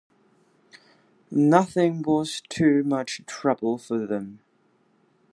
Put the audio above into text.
Nothing was too much trouble for them.